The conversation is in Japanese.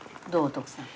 徳さん。